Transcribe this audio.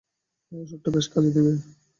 এই ওষুধটা বেশ কাজে দেবে।